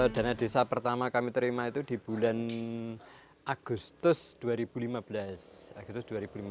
dana desa pertama kami terima itu di bulan agustus dua ribu lima belas